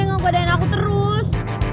ngekodain aku terus